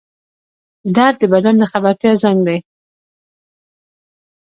درد د بدن د خبرتیا زنګ دی